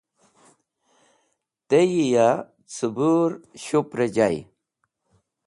Teyi ya cẽbũr shuprẽ jay.